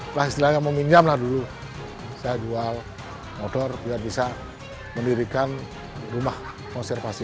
pertama istri saya yang meminjamlah dulu saya jual motor biar bisa menirikan rumah konservasi ini